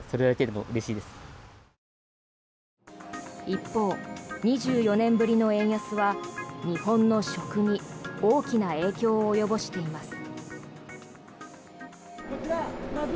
一方、２４年ぶりの円安は日本の食に大きな影響を及ぼしています。